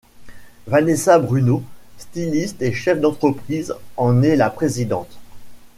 Vanessa Bruno, styliste et chef d’entreprise en est la Présidente.